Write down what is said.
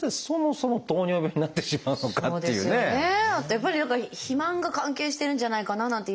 やっぱりだから肥満が関係してるんじゃないかななんてイメージも。